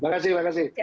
terima kasih terima kasih